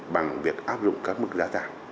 bằng việc áp dụng các mức giá trần